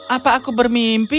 apa aku bermimpi